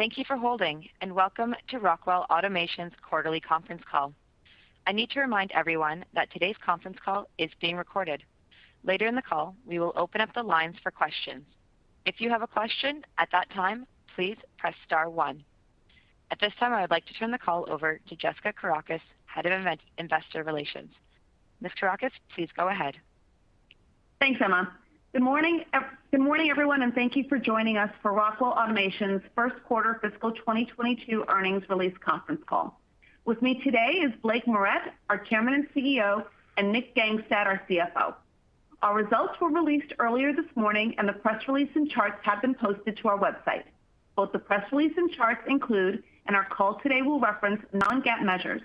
Thank you for holding, and welcome to Rockwell Automation's Quarterly Conference Call. I need to remind everyone that today's conference call is being recorded. Later in the call, we will open up the lines for questions. If you have a question at that time, please press star one. At this time, I would like to turn the call over to Jessica Kourakos, head of Investor Relations. Ms. Kourakos, please go ahead. Thanks, Emma. Good morning, everyone, and thank you for joining us for Rockwell Automation's first quarter fiscal 2022 earnings release conference call. With me today is Blake Moret, our Chairman and CEO, and Nicholas Gangestad, our CFO. Our results were released earlier this morning and the press release and charts have been posted to our website. Both the press release and charts include, and our call today will reference, non-GAAP measures.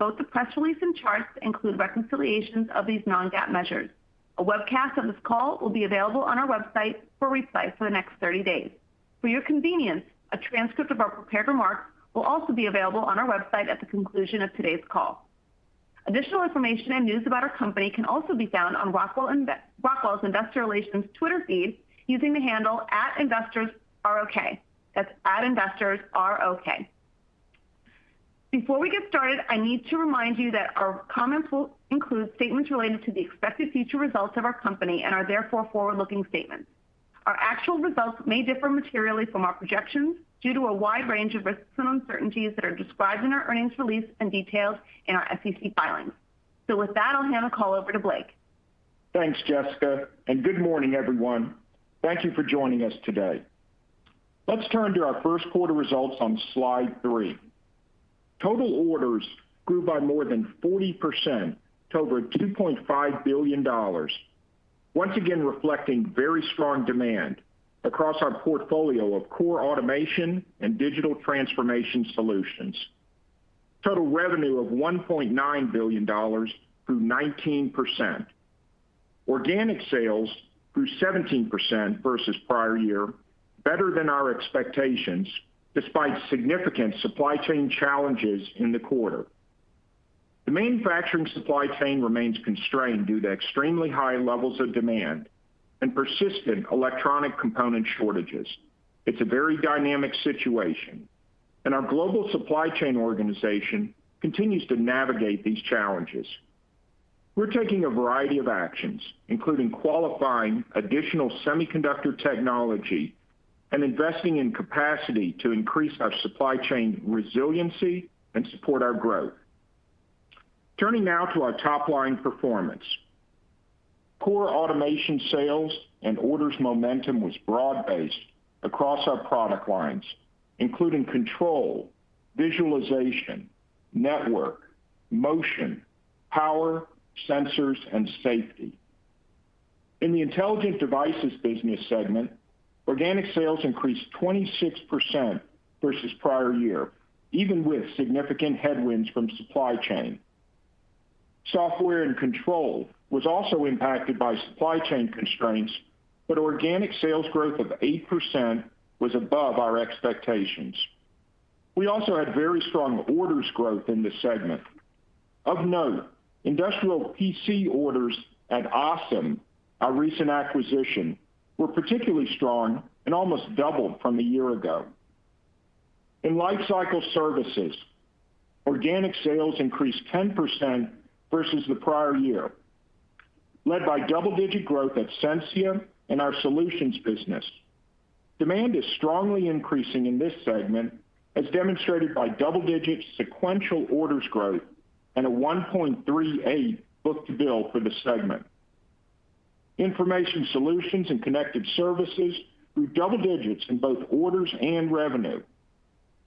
Both the press release and charts include reconciliations of these non-GAAP measures. A webcast of this call will be available on our website for replay for the next 30 days. For your convenience, a transcript of our prepared remarks will also be available on our website at the conclusion of today's call. Additional information and news about our company can also be found on Rockwell's Investor Relations Twitter feed using the handle @InvestorsROK. That's @InvestorsROK. Before we get started, I need to remind you that our comments will include statements related to the expected future results of our company and are therefore forward-looking statements. Our actual results may differ materially from our projections due to a wide range of risks and uncertainties that are described in our earnings release and detailed in our SEC filings. With that, I'll hand the call over to Blake. Thanks, Jessica, and good morning, everyone. Thank you for joining us today. Let's turn to our first quarter results on slide three. Total orders grew by more than 40% to over $2.5 billion, once again reflecting very strong demand across our portfolio of core automation and digital transformation solutions. Total revenue of $1.9 billion grew 19%. Organic sales grew 17% versus prior year, better than our expectations despite significant supply chain challenges in the quarter. The manufacturing supply chain remains constrained due to extremely high levels of demand and persistent electronic component shortages. It's a very dynamic situation and our global supply chain organization continues to navigate these challenges. We're taking a variety of actions, including qualifying additional semiconductor technology and investing in capacity to increase our supply chain resiliency and support our growth. Turning now to our top-line performance. Core automation sales and orders momentum was broad-based across our product lines, including control, visualization, network, motion, power, sensors, and safety. In the Intelligent Devices business segment, organic sales increased 26% versus prior year, even with significant headwinds from supply chain. Software & Control was also impacted by supply chain constraints, but organic sales growth of 8% was above our expectations. We also had very strong orders growth in this segment. Of note, industrial PC orders at ASEM, our recent acquisition, were particularly strong and almost doubled from a year ago. In Lifecycle Services, organic sales increased 10% versus the prior year, led by double-digit growth at Sensia and our solutions business. Demand is strongly increasing in this segment, as demonstrated by double-digit sequential orders growth and a 1.38 book-to-bill for the segment. Information solutions and connected services grew double digits in both orders and revenue.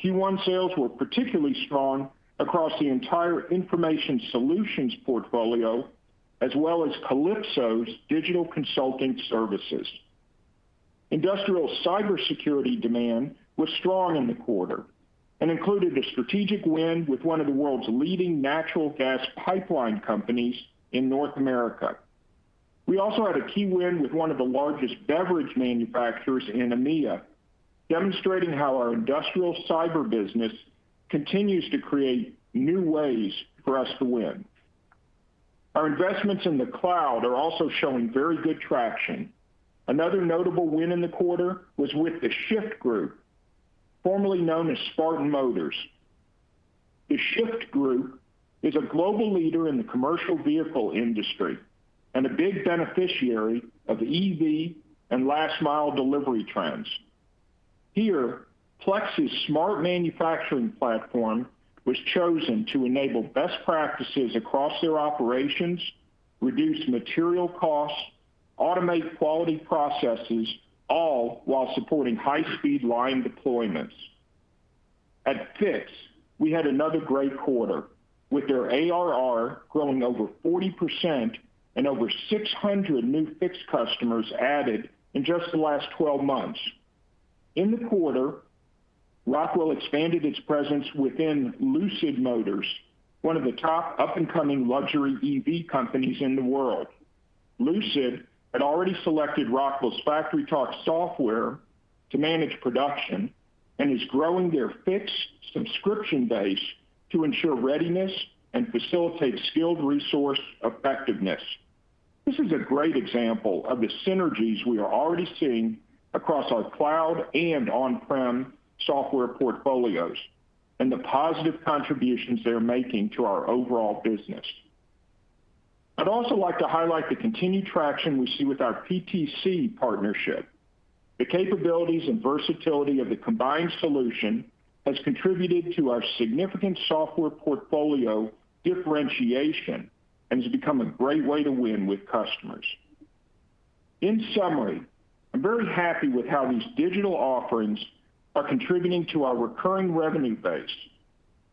Q1 sales were particularly strong across the entire information solutions portfolio as well as Kalypso's digital consulting services. Industrial cybersecurity demand was strong in the quarter and included a strategic win with one of the world's leading natural gas pipeline companies in North America. We also had a key win with one of the largest beverage manufacturers in EMEA, demonstrating how our industrial cyber business continues to create new ways for us to win. Our investments in the cloud are also showing very good traction. Another notable win in the quarter was with the Shyft Group, formerly known as Spartan Motors. The Shyft Group is a global leader in the commercial vehicle industry and a big beneficiary of EV and last mile delivery trends. Here, Plex's smart manufacturing platform was chosen to enable best practices across their operations, reduce material costs, automate quality processes, all while supporting high-speed line deployments. At Fiix, we had another great quarter with their ARR growing over 40% and over 600 new Fiix customers added in just the last 12 months. In the quarter, Rockwell expanded its presence within Lucid Motors, one of the top up-and-coming luxury EV companies in the world. Lucid had already selected Rockwell's FactoryTalk software to manage production and is growing their fixed subscription base to ensure readiness and facilitate skilled resource effectiveness. This is a great example of the synergies we are already seeing across our cloud and on-prem software portfolios and the positive contributions they're making to our overall business. I'd also like to highlight the continued traction we see with our PTC partnership. The capabilities and versatility of the combined solution has contributed to our significant software portfolio differentiation and has become a great way to win with customers. In summary, I'm very happy with how these digital offerings are contributing to our recurring revenue base,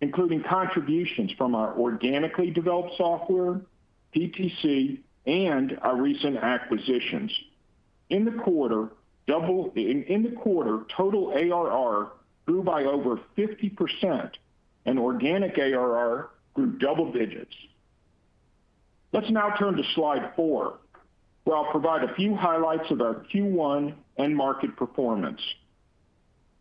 including contributions from our organically developed software, PTC, and our recent acquisitions. In the quarter, total ARR grew by over 50% and organic ARR grew double digits. Let's now turn to slide four, where I'll provide a few highlights of our Q1 end market performance.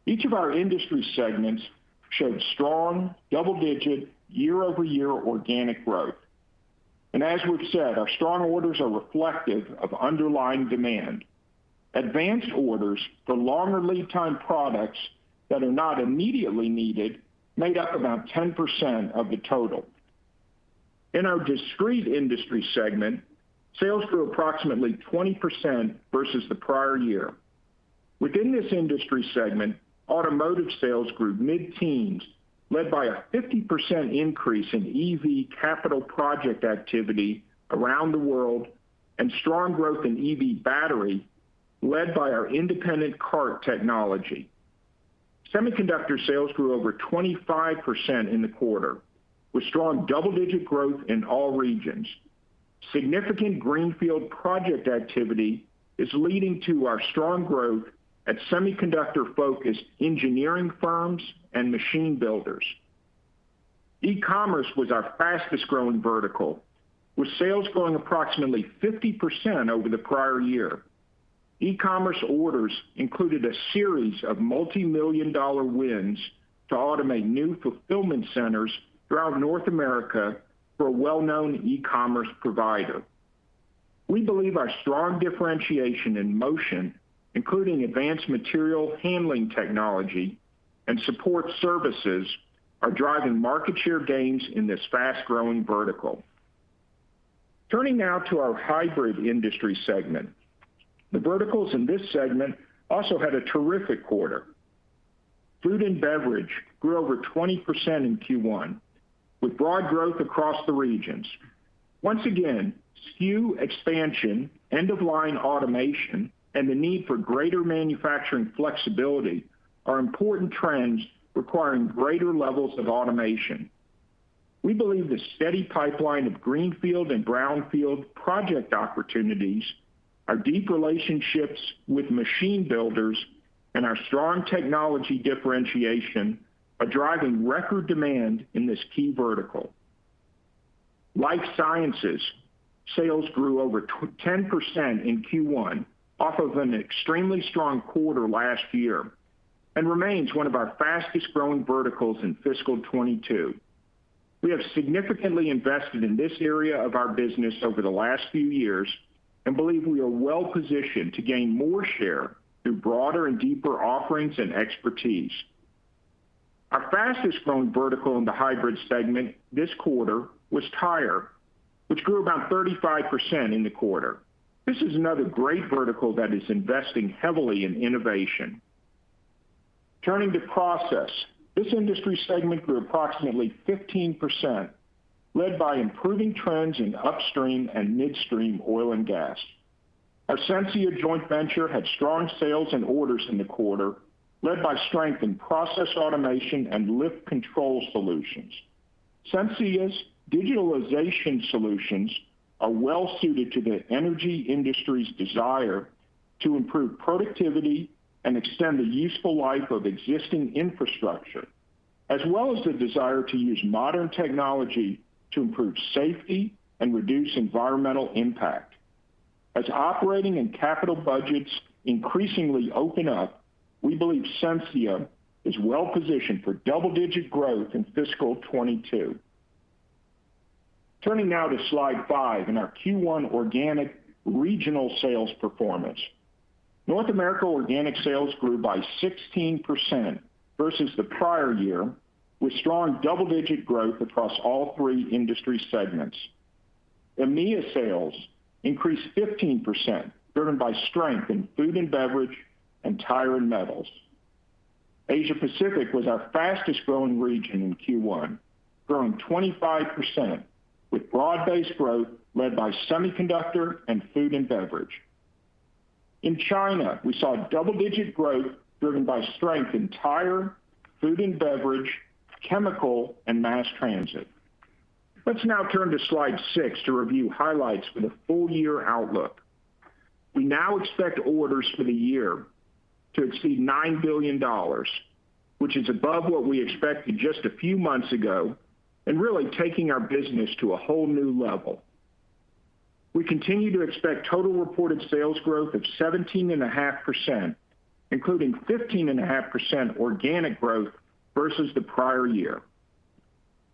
Each of our Industry segments showed strong double-digit YoY organic growth. As we've said, our strong orders are reflective of underlying demand. Advanced orders for longer lead time products that are not immediately needed made up about 10% of the total. In our discrete Industry segment, sales grew approximately 20% versus the prior year. Within this Industry segment, automotive sales grew mid-teens, led by a 50% increase in EV capital project activity around the world and strong growth in EV battery, led by our Independent Cart Technology. Semiconductor sales grew over 25% in the quarter, with strong double-digit growth in all regions. Significant greenfield project activity is leading to our strong growth at semiconductor-focused engineering firms and machine builders. E-commerce was our fastest-growing vertical, with sales growing approximately 50% over the prior year. E-commerce orders included a series of multimillion-dollar wins to automate new fulfillment centers throughout North America for a well-known e-commerce provider. We believe our strong differentiation in motion, including advanced material handling technology and support services, are driving market share gains in this fast-growing vertical. Turning now to our Hybrid Industry segment. The verticals in this segment also had a terrific quarter. Food and beverage grew over 20% in Q1, with broad growth across the regions. Once again, SKU expansion, end-of-line automation, and the need for greater manufacturing flexibility are important trends requiring greater levels of automation. We believe the steady pipeline of greenfield and brownfield project opportunities, our deep relationships with machine builders, and our strong technology differentiation are driving record demand in this key vertical. Life sciences sales grew over 10% in Q1 off of an extremely strong quarter last year and remains one of our fastest-growing verticals in fiscal 2022. We have significantly invested in this area of our business over the last few years and believe we are well positioned to gain more share through broader and deeper offerings and expertise. Our fastest-growing vertical in the Hybrid segment this quarter was tire, which grew about 35% in the quarter. This is another great vertical that is investing heavily in innovation. Turning to process. This Industry segment grew approximately 15%, led by improving trends in upstream and midstream oil and gas. Our Sensia joint venture had strong sales and orders in the quarter, led by strength in process automation and lift control solutions. Sensia's digitalization solutions are well suited to the energy industry's desire to improve productivity and extend the useful life of existing infrastructure, as well as the desire to use modern technology to improve safety and reduce environmental impact. As operating and capital budgets increasingly open up, we believe Sensia is well positioned for double-digit growth in fiscal 2022. Turning now to slide five and our Q1 organic regional sales performance. North America organic sales grew by 16% versus the prior year, with strong double-digit growth across all three Industry segments. EMEA sales increased 15%, driven by strength in food and beverage and tire and metals. Asia Pacific was our fastest-growing region in Q1, growing 25% with broad-based growth led by semiconductor and food and beverage. In China, we saw double-digit growth driven by strength in tire, food and beverage, chemical, and mass transit. Let's now turn to slide six to review highlights for the full year outlook. We now expect orders for the year to exceed $9 billion, which is above what we expected just a few months ago, and really taking our business to a whole new level. We continue to expect total reported sales growth of 17.5%, including 15.5% organic growth versus the prior year.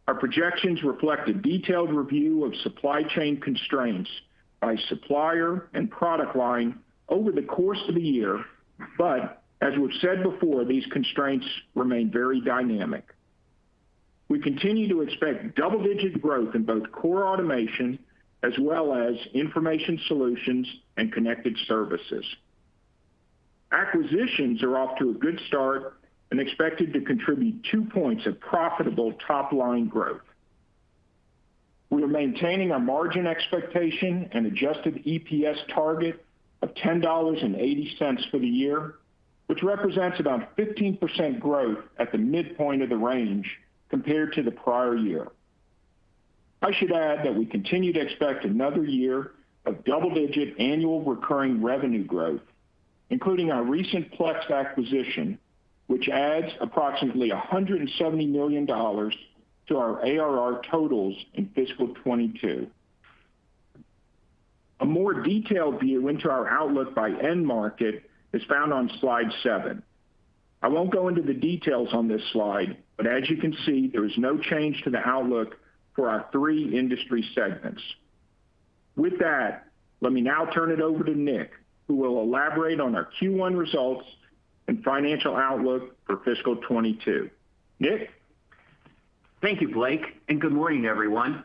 Our projections reflect a detailed review of supply chain constraints by supplier and product line over the course of the year. As we've said before, these constraints remain very dynamic. We continue to expect double-digit growth in both core automation as well as information solutions and connected services. Acquisitions are off to a good start and expected to contribute two points of profitable top-line growth. We are maintaining our margin expectation and Adjusted EPS target of $10.80 for the year, which represents about 15% growth at the midpoint of the range compared to the prior year. I should add that we continue to expect another year of double-digit annual recurring revenue growth, including our recent Plex acquisition, which adds approximately $170 million to our ARR totals in fiscal 2022. A more detailed view into our outlook by end market is found on slide seven. I won't go into the details on this slide, but as you can see, there is no change to the outlook for our three Industry segments. With that, let me now turn it over to Nick, who will elaborate on our Q1 results and financial outlook for fiscal 2022. Nick? Thank you, Blake, and good morning, everyone.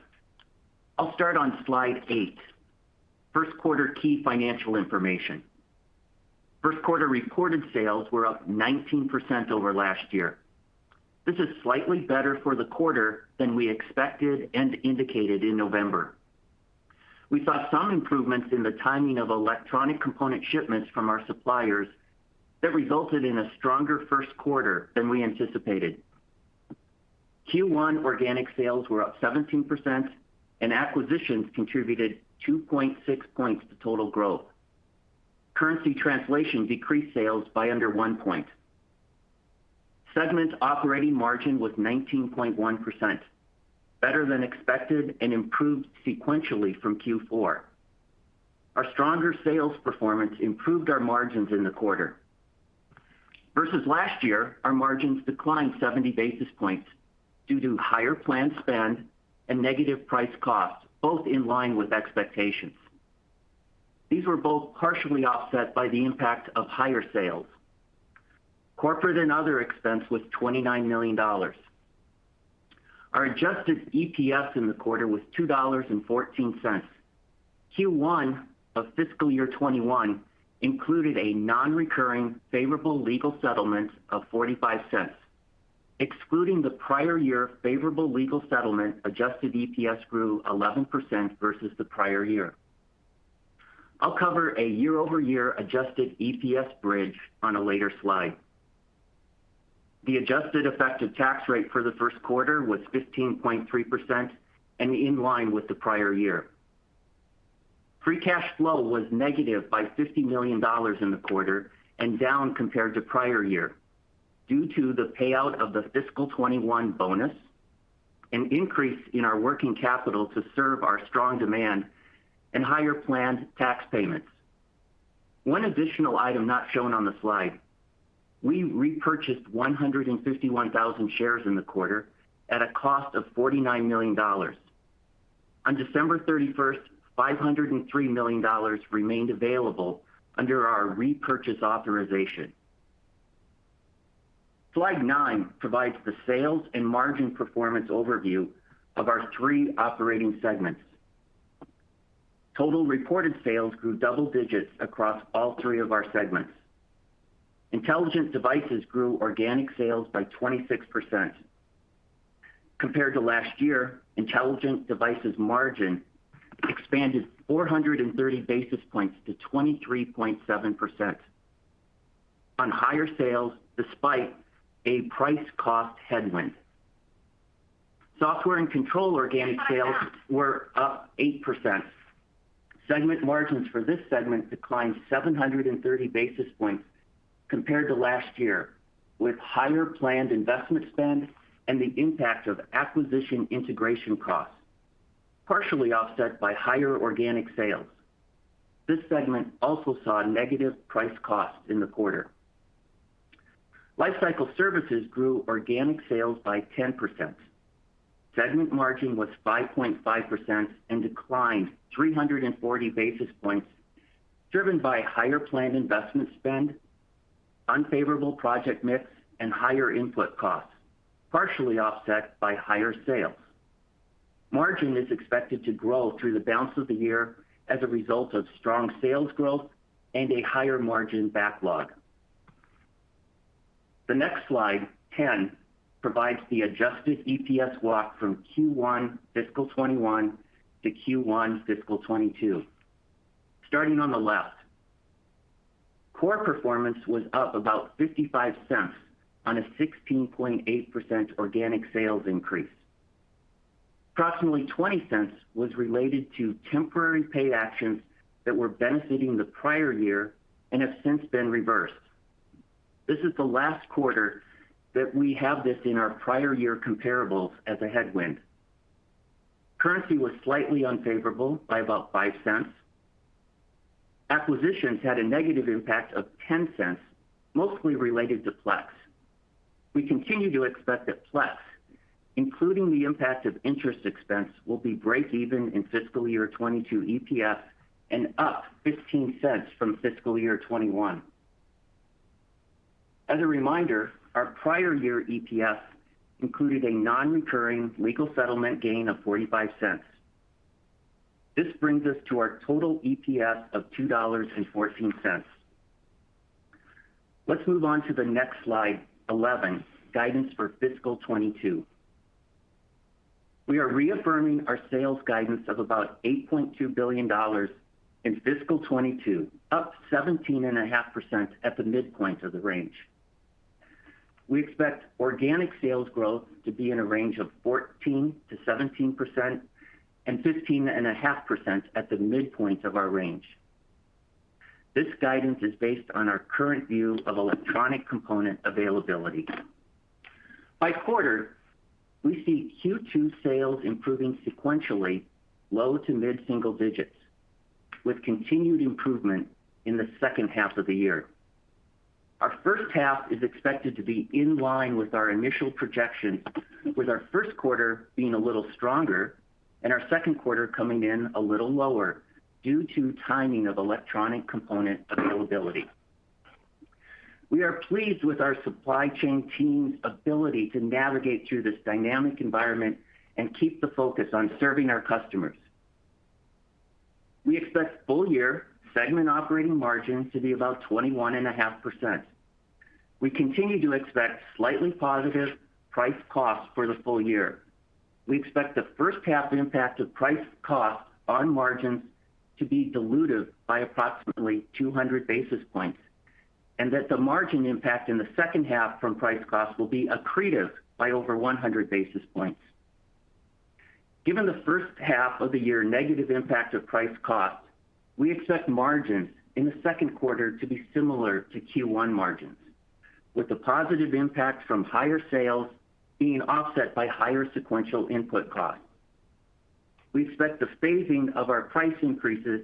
I'll start on slide eight. First quarter key financial information. First quarter reported sales were up 19% over last year. This is slightly better for the quarter than we expected and indicated in November. We saw some improvements in the timing of electronic component shipments from our suppliers that resulted in a stronger first quarter than we anticipated. Q1 organic sales were up 17% and acquisitions contributed 2.6 points to total growth. Currency translation decreased sales by under 1 point. Segment operating margin was 19.1%, better than expected and improved sequentially from Q4. Our stronger sales performance improved our margins in the quarter. Versus last year, our margins declined 70 basis points due to higher planned spend and negative price costs, both in line with expectations. These were both partially offset by the impact of higher sales. Corporate and other expense was $29 million. Our Adjusted EPS in the quarter was $2.14. Q1 of fiscal year 2021 included a non-recurring favorable legal settlement of $0.45. Excluding the prior year favorable legal settlement, Adjusted EPS grew 11% versus the prior year. I'll cover a YoY Adjusted EPS bridge on a later slide. The adjusted effective tax rate for the first quarter was 15.3% and in line with the prior year. Free cash flow was negative by $50 million in the quarter and down compared to prior year due to the payout of the fiscal 2021 bonus, an increase in our working capital to serve our strong demand and higher planned tax payments. One additional item not shown on the slide, we repurchased 151,000 shares in the quarter at a cost of $49 million. On December 31st, $503 million remained available under our repurchase authorization. Slide nine provides the sales and margin performance overview of our three operating segments. Total reported sales grew double digits across all three of our segments. Intelligent Devices grew organic sales by 26%. Compared to last year, Intelligent Devices margin expanded 430 basis points to 23.7% on higher sales despite a price cost headwind. Software & Control organic sales were up 8%. Segment margins for this segment declined 730 basis points compared to last year with higher planned investment spend and the impact of acquisition integration costs, partially offset by higher organic sales. This segment also saw negative price costs in the quarter. Lifecycle Services grew organic sales by 10%. Segment margin was 5.5% and declined 340 basis points, driven by higher planned investment spend, unfavorable project mix, and higher input costs, partially offset by higher sales. Margin is expected to grow through the balance of the year as a result of strong sales growth and a higher margin backlog. The next slide 10 provides the Adjusted EPS walk from Q1 fiscal 2021 to Q1 fiscal 2022. Starting on the left, core performance was up about $0.55 on a 16.8% organic sales increase. Approximately $0.20 was related to temporary paid actions that were benefiting the prior year and have since been reversed. This is the last quarter that we have this in our prior year comparables as a headwind. Currency was slightly unfavorable by about $0.05. Acquisitions had a negative impact of $0.10, mostly related to Plex. We continue to expect that Plex, including the impact of interest expense, will be breakeven in fiscal 2022 EPS and up $0.15 from fiscal 2021. As a reminder, our prior year EPS included a non-recurring legal settlement gain of $0.45. This brings us to our total EPS of $2.14. Let's move on to the next slide, 11, guidance for fiscal 2022. We are reaffirming our sales guidance of about $8.2 billion in fiscal 2022, up 17.5% at the midpoint of the range. We expect organic sales growth to be in a range of 14%-17% and 15.5% at the midpoint of our range. This guidance is based on our current view of electronic component availability. By quarter, we see Q2 sales improving sequentially low- to mid-single-digit with continued improvement in the second half of the year. Our first half is expected to be in line with our initial projections, with our first quarter being a little stronger and our second quarter coming in a little lower due to timing of electronic component availability. We are pleased with our supply chain team's ability to navigate through this dynamic environment and keep the focus on serving our customers. We expect full year segment operating margins to be about 21.5%. We continue to expect slightly positive price cost for the full year. We expect the first half impact of price cost on margins to be dilutive by approximately 200 basis points, and that the margin impact in the second half from price cost will be accretive by over 100 basis points. Given the first half of the year negative impact of price cost, we expect margins in the second quarter to be similar to Q1 margins, with the positive impact from higher sales being offset by higher sequential input costs. We expect the phasing of our price increases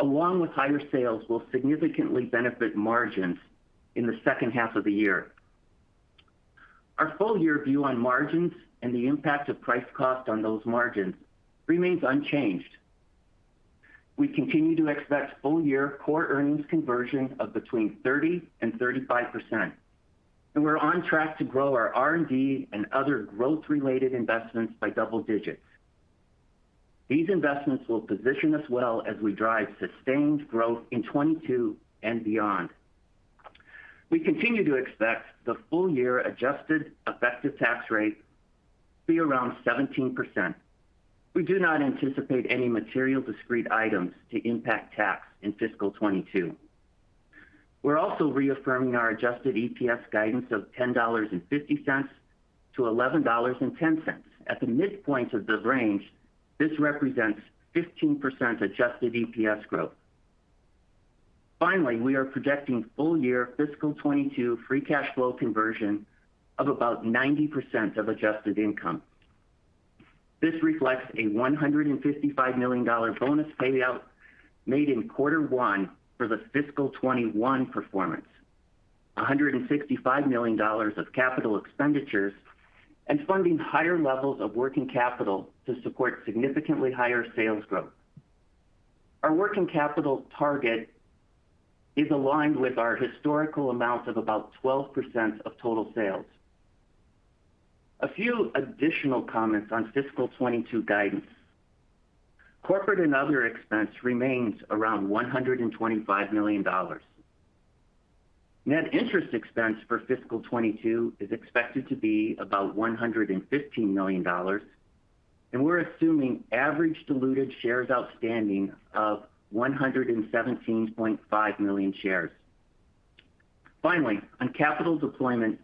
along with higher sales will significantly benefit margins in the second half of the year. Our full year view on margins and the impact of price cost on those margins remains unchanged. We continue to expect full year core earnings conversion of between 30% and 35%, and we're on track to grow our R&D and other growth-related investments by double digits. These investments will position us well as we drive sustained growth in 2022 and beyond. We continue to expect the full-year adjusted effective tax rate to be around 17%. We do not anticipate any material discrete items to impact tax in fiscal 2022. We're also reaffirming our Adjusted EPS guidance of $10.50-$11.10. At the midpoint of the range, this represents 15% Adjusted EPS growth. Finally, we are projecting full-year fiscal 2022 free cash flow conversion of about 90% of adjusted income. This reflects a $155 million bonus payout made in Q1 for the fiscal 2021 performance, $165 million of capital expenditures, and funding higher levels of working capital to support significantly higher sales growth. Our working capital target is aligned with our historical amount of about 12% of total sales. A few additional comments on fiscal 2022 guidance. Corporate and other expense remains around $125 million. Net interest expense for fiscal 2022 is expected to be about $115 million, and we're assuming average diluted shares outstanding of 117.5 million shares. Finally, on capital deployment,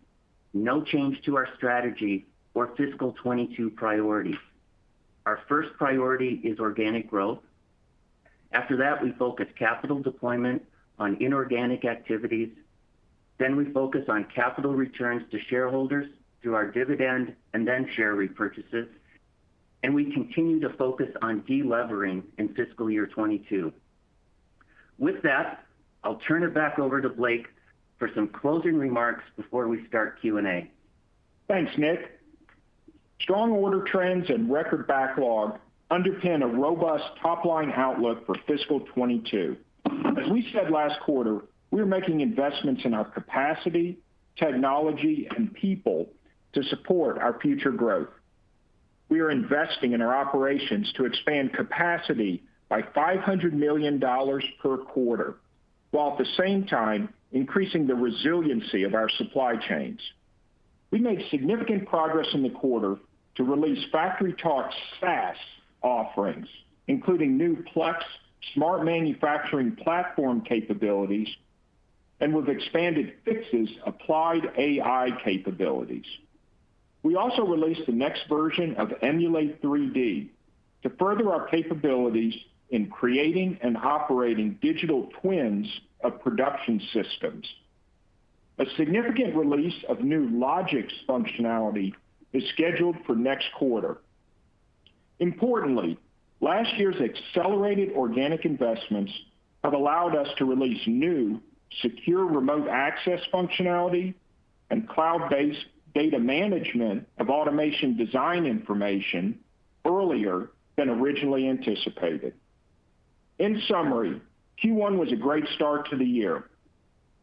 no change to our strategy or fiscal 2022 priorities. Our first priority is organic growth. After that, we focus capital deployment on inorganic activities. Then we focus on capital returns to shareholders through our dividend and then share repurchases, and we continue to focus on de-levering in fiscal year 2022. With that, I'll turn it back over to Blake for some closing remarks before we start Q&A. Thanks, Nick. Strong order trends and record backlog underpin a robust top-line outlook for fiscal 2022. As we said last quarter, we're making investments in our capacity, technology, and people to support our future growth. We are investing in our operations to expand capacity by $500 million per quarter, while at the same time increasing the resiliency of our supply chains. We made significant progress in the quarter to release FactoryTalk's SaaS offerings, including new Plex smart manufacturing platform capabilities and with expanded Fiix's Applied AI capabilities. We also released the next version of Emulate3D to further our capabilities in creating and operating digital twins of production systems. A significant release of new Logix functionality is scheduled for next quarter. Importantly, last year's accelerated organic investments have allowed us to release new secure remote access functionality and cloud-based data management of automation design information earlier than originally anticipated. In summary, Q1 was a great start to the year.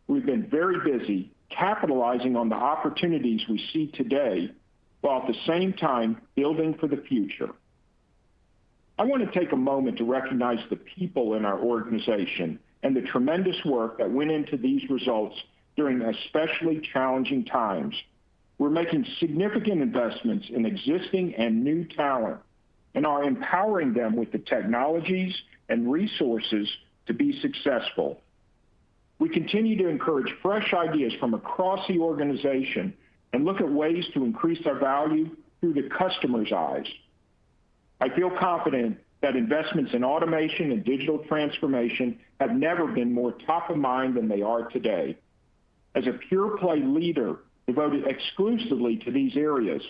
We've been very busy capitalizing on the opportunities we see today, while at the same time building for the future. I wanna take a moment to recognize the people in our organization and the tremendous work that went into these results during especially challenging times. We're making significant investments in existing and new talent and are empowering them with the technologies and resources to be successful. We continue to encourage fresh ideas from across the organization and look at ways to increase our value through the customer's eyes. I feel confident that investments in automation and digital transformation have never been more top of mind than they are today. As a pure play leader devoted exclusively to these areas,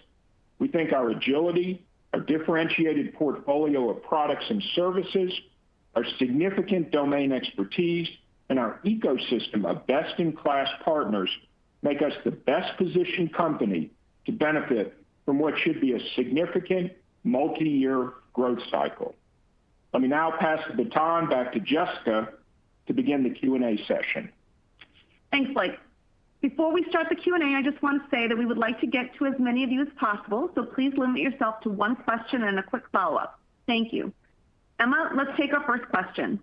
we think our agility, our differentiated portfolio of products and services, our significant domain expertise, and our ecosystem of best-in-class partners make us the best positioned company to benefit from what should be a significant multi-year growth cycle. Let me now pass the baton back to Jessica to begin the Q&A session. Thanks, Blake. Before we start the Q&A, I just want to say that we would like to get to as many of you as possible, so please limit yourself to one question and a quick follow-up. Thank you. Emma, let's take our first question.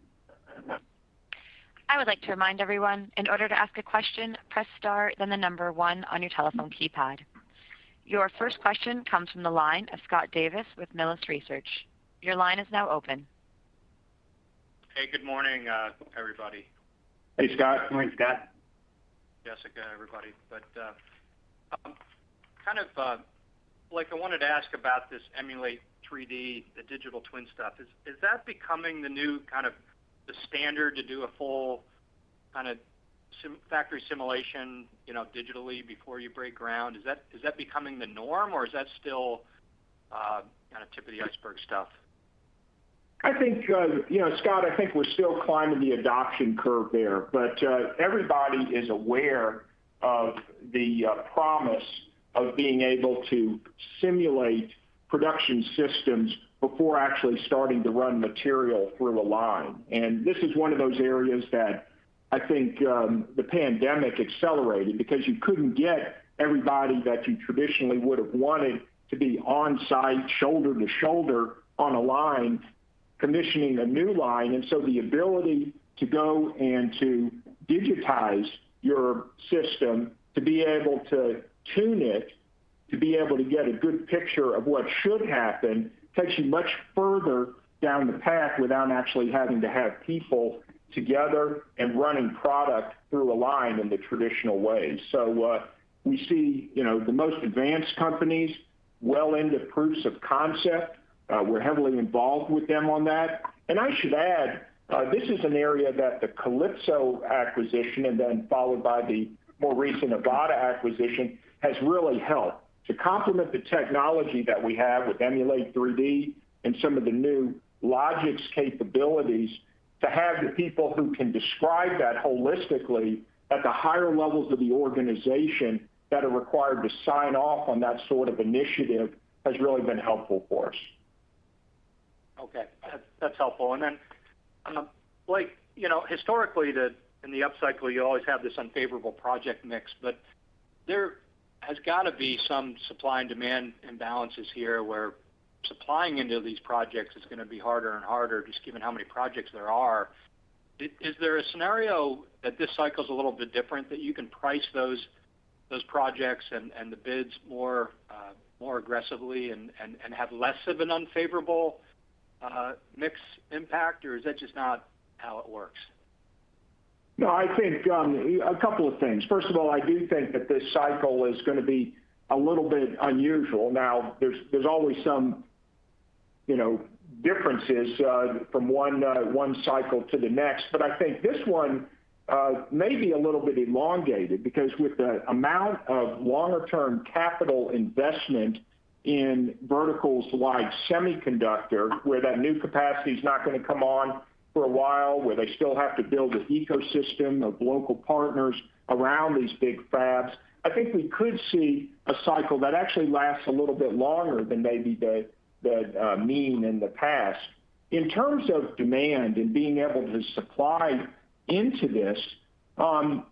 I would like to remind everyone, in order to ask a question, press star, then the number one on your telephone keypad. Your first question comes from the line of Scott Davis with Melius Research. Your line is now open. Hey, good morning, everybody. Hey, Scott. Morning, Scott. Jessica, everybody. Kind of, Blake, I wanted to ask about this Emulate3D, the digital twin stuff. Is that becoming the new kind of the standard to do a full kind of sim-factory simulation, you know, digitally before you break ground? Is that becoming the norm, or is that still kind of tip of the iceberg stuff? I think, you know, Scott, I think we're still climbing the adoption curve there. Everybody is aware of the promise of being able to simulate production systems before actually starting to run material through a line. This is one of those areas that I think the pandemic accelerated because you couldn't get everybody that you traditionally would have wanted to be on-site, shoulder to shoulder on a line, commissioning a new line. The ability to go and to digitize your system, to be able to tune it, to be able to get a good picture of what should happen, takes you much further down the path without actually having to have people together and running product through a line in the traditional way. We see, you know, the most advanced companies well into proofs of concept. We're heavily involved with them on that. I should add, this is an area that the Kalypso acquisition and then followed by the more recent Oylo acquisition has really helped to complement the technology that we have with Emulate3D and some of the new Logix capabilities, to have the people who can describe that holistically at the higher levels of the organization that are required to sign off on that sort of initiative has really been helpful for us. Okay. That's helpful. Blake, you know, historically in the upcycle, you always have this unfavorable project mix, but there has gotta be some supply and demand imbalances here, where supplying into these projects is gonna be harder and harder just given how many projects there are. Is there a scenario that this cycle is a little bit different, that you can price those projects and the bids more aggressively and have less of an unfavorable mix impact, or is that just not how it works? No, I think a couple of things. First of all, I do think that this cycle is gonna be a little bit unusual. Now, there's always some, you know, differences from one cycle to the next. I think this one may be a little bit elongated because with the amount of longer term capital investment in verticals like semiconductor, where that new capacity is not gonna come on for a while, where they still have to build an ecosystem of local partners around these big fabs. I think we could see a cycle that actually lasts a little bit longer than maybe the mean in the past. In terms of demand and being able to supply into this,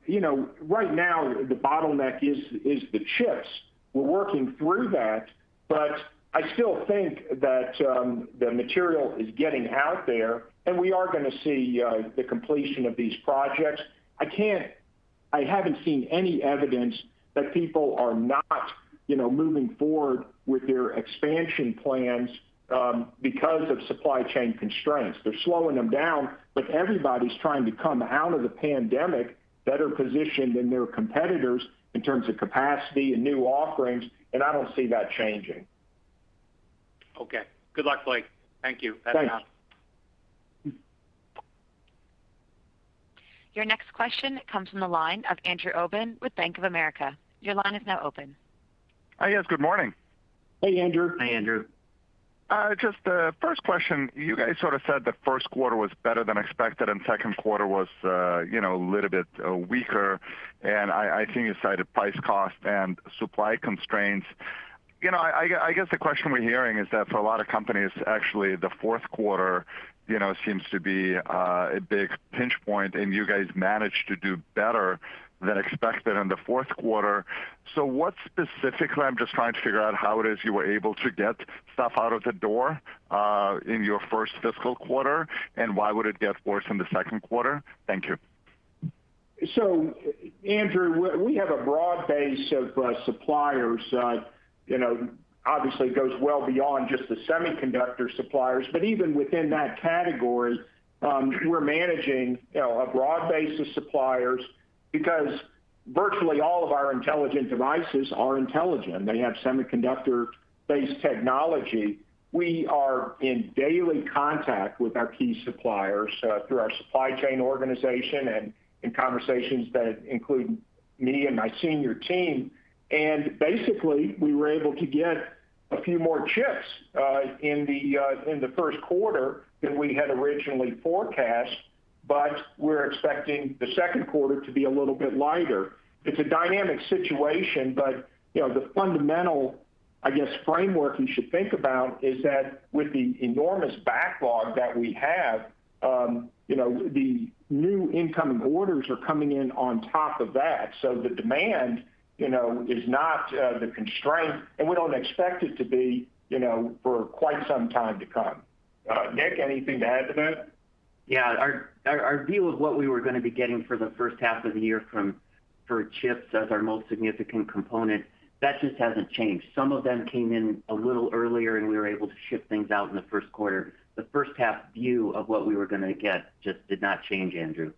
you know, right now the bottleneck is the chips. We're working through that, but I still think that the material is getting out there, and we are gonna see the completion of these projects. I haven't seen any evidence that people are not, you know, moving forward with their expansion plans because of supply chain constraints. They're slowing them down, but everybody's trying to come out of the pandemic better positioned than their competitors in terms of capacity and new offerings, and I don't see that changing. Okay. Good luck, Blake. Thank you. Thanks. That's all. Your next question comes from the line of Andrew Obin with Bank of America. Your line is now open. Hi, guys. Good morning. Hey, Andrew. Hi, Andrew. Just first question, you guys sort of said the first quarter was better than expected and second quarter was, you know, a little bit weaker. I think you cited price cost and supply constraints. You know, I guess the question we're hearing is that for a lot of companies, actually the fourth quarter seems to be a big pinch point, and you guys managed to do better than expected on the fourth quarter. What specifically I'm just trying to figure out how it is you were able to get stuff out of the door in your first fiscal quarter, and why would it get worse in the second quarter? Thank you. Andrew, we have a broad base of suppliers. You know, obviously it goes well beyond just the semiconductor suppliers, but even within that category, we're managing, you know, a broad base of suppliers because virtually all of our Intelligent Devices are intelligent. They have semiconductor-based technology. We are in daily contact with our key suppliers through our supply chain organization and in conversations that include me and my senior team. Basically, we were able to get a few more chips in the first quarter than we had originally forecast, but we're expecting the second quarter to be a little bit lighter. It's a dynamic situation, but, you know, the fundamental, I guess, framework you should think about is that with the enormous backlog that we have, you know, the new incoming orders are coming in on top of that. The demand, you know, is not the constraint, and we don't expect it to be, you know, for quite some time to come. Nick, anything to add to that? Yeah. Our view of what we were gonna be getting for the first half of the year from for chips as our most significant component, that just hasn't changed. Some of them came in a little earlier, and we were able to ship things out in the first quarter. The first half view of what we were gonna get just did not change, Andrew.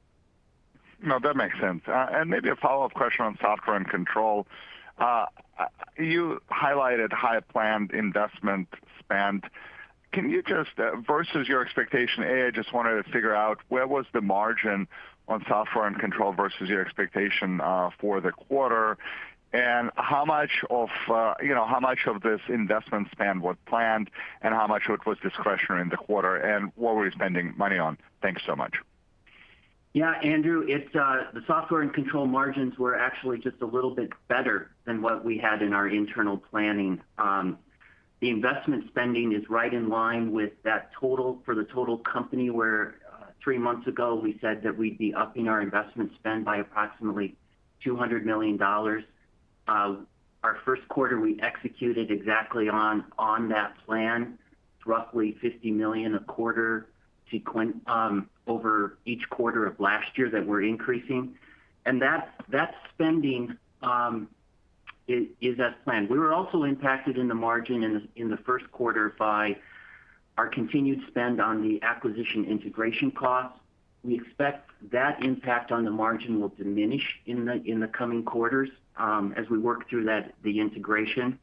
No, that makes sense. Maybe a follow-up question on Software & Control. You highlighted high planned investment spend. Can you just versus your expectation, I just wanted to figure out where was the margin on Software & Control versus your expectation for the quarter? How much of, you know, how much of this investment spend was planned, and how much of it was discretionary in the quarter, and what were you spending money on? Thank you so much. Yeah, Andrew, it's the Software & Control margins were actually just a little bit better than what we had in our internal planning. The investment spending is right in line with that total for the total company, where three months ago we said that we'd be upping our investment spend by approximately $200 million. Our first quarter, we executed exactly on that plan, roughly $50 million a quarter over each quarter of last year that we're increasing. That spending is as planned. We were also impacted in the margin in the first quarter by our continued spend on the acquisition integration costs. We expect that impact on the margin will diminish in the coming quarters as we work through the integration.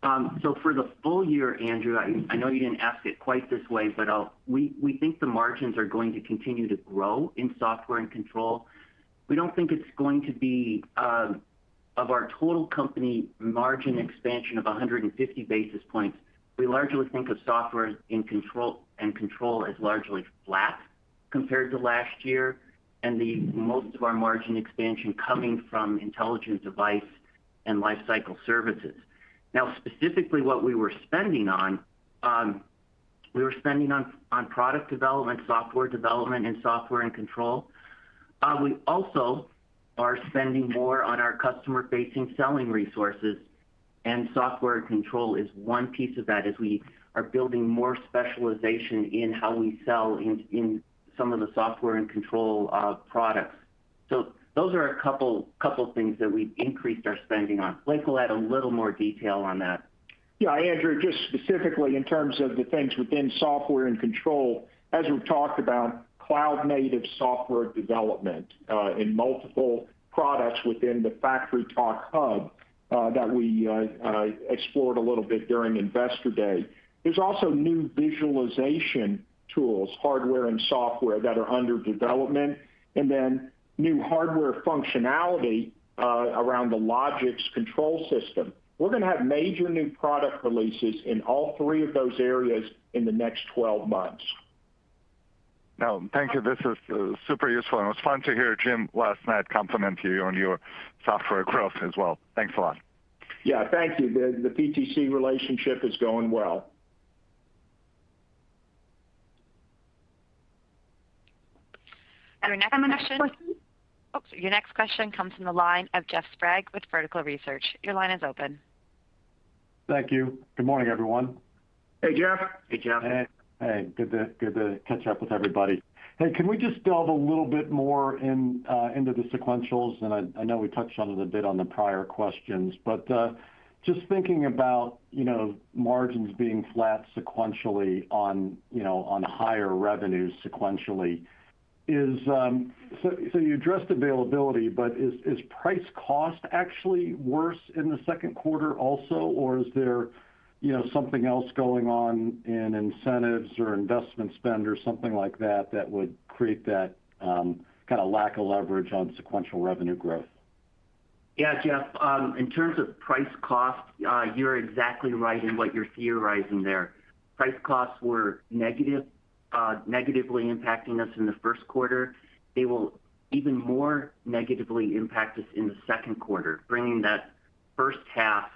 For the full year, Andrew, I know you didn't ask it quite this way, but I'll. We think the margins are going to continue to grow in Software & Control. We don't think it's going to be of our total company margin expansion of 150 basis points. We largely think of Software & Control as largely flat compared to last year, and the most of our margin expansion coming from Intelligent Devices and Lifecycle Services. Now, specifically what we were spending on, we were spending on product development, software development, and Software & Control. We also are spending more on our customer-facing selling resources, and Software & Control is one piece of that as we are building more specialization in how we sell in some of the Software & Control products. Those are a couple things that we've increased our spending on. Blake will add a little more detail on that. Yeah. Andrew, just specifically in terms of the things within Software & Control, as we've talked about cloud native software development in multiple products within the FactoryTalk Hub that we explored a little bit during Investor Day. There's also new visualization tools, hardware and software, that are under development, and then new hardware functionality around the Logix control system. We're gonna have major new product releases in all three of those areas in the next 12 months. No, thank you. This is super useful, and it was fun to hear Jim last night compliment you on your software growth as well. Thanks a lot. Yeah. Thank you. The PTC relationship is going well. Your next question comes from the line of Jeff Sprague with Vertical Research. Your line is open. Thank you. Good morning, everyone. Hey, Jeff. Hey, Jeff. Hey. Good to catch up with everybody. Hey, can we just delve a little bit more into the sequentials? I know we touched on it a bit in the prior questions, but just thinking about, you know, margins being flat sequentially on, you know, on higher revenues sequentially, is. So you addressed availability, but is price cost actually worse in the second quarter also, or is there, you know, something else going on in incentives or investment spend or something like that would create that kind of lack of leverage on sequential revenue growth? Yeah, Jeff, in terms of price cost, you're exactly right in what you're theorizing there. Price costs were negatively impacting us in the first quarter. They will even more negatively impact us in the second quarter, bringing that first half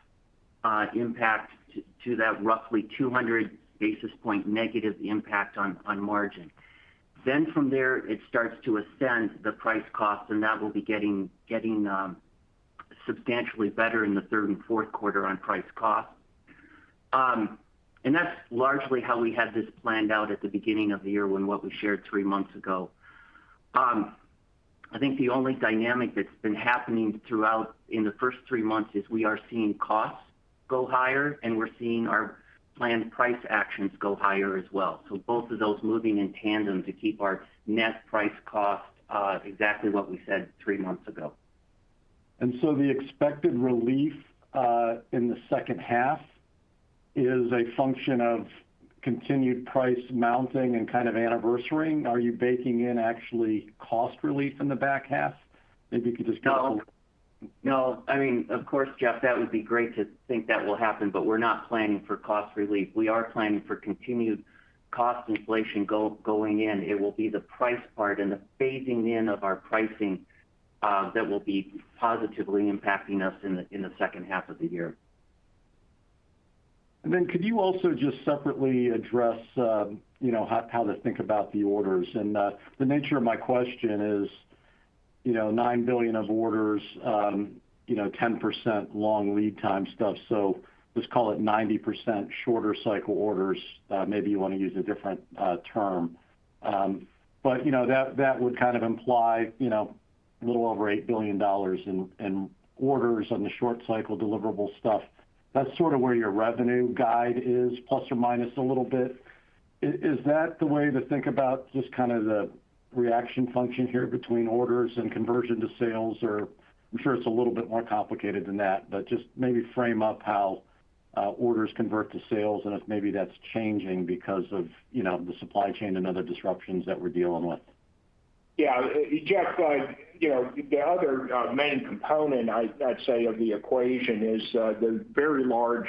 impact to that roughly 200 basis points negative impact on margin. Then from there, it starts to ascend the price cost, and that will be getting substantially better in the third and fourth quarter on price cost. That's largely how we had this planned out at the beginning of the year when what we shared three months ago. I think the only dynamic that's been happening throughout in the first three months is we are seeing costs go higher, and we're seeing our planned price actions go higher as well. Both of those moving in tandem to keep our net price cost exactly what we said three months ago. The expected relief in the second half is a function of continued price mounting and kind of anniversarying. Are you baking in actually cost relief in the back half? Maybe you could just talk a little. No. I mean, of course, Jeff, that would be great to think that will happen, but we're not planning for cost relief. We are planning for continued cost inflation going in. It will be the price part and the phasing in of our pricing that will be positively impacting us in the second half of the year. Could you also just separately address how to think about the orders? The nature of my question is $9 billion of orders, 10% long lead time stuff. Let's call it 90% shorter cycle orders. Maybe you wanna use a different term. That would kind of imply a little over $8 billion in orders on the short cycle deliverable stuff. That's sort of where your revenue guide is, plus or minus a little bit. Is that the way to think about just kind of the reaction function here between orders and conversion to sales? I'm sure it's a little bit more complicated than that, but just maybe frame up how orders convert to sales and if maybe that's changing because of, you know, the supply chain and other disruptions that we're dealing with. Jeff, you know, the other main component I'd say of the equation is the very large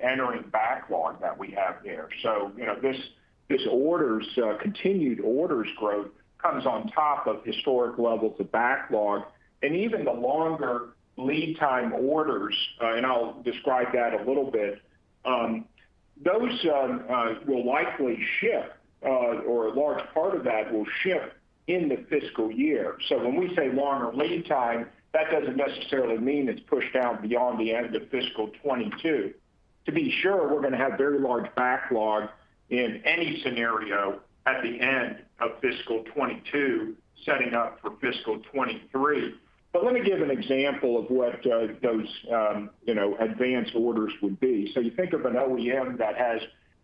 entering backlog that we have there. You know, this continued orders growth comes on top of historic levels of backlog. Even the longer lead time orders, and I'll describe that a little bit, those will likely ship, or a large part of that will ship in the fiscal year. When we say longer lead time, that doesn't necessarily mean it's pushed out beyond the end of fiscal 2022. To be sure, we're gonna have very large backlog in any scenario at the end of fiscal 2022, setting up for fiscal 2023. Let me give an example of what those, you know, advanced orders would be. You think of an OEM that has